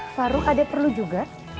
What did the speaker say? farouk ada perlu juga